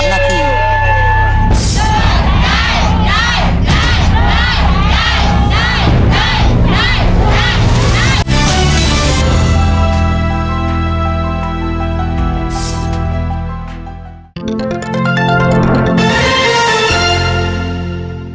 ขอบคุณมาก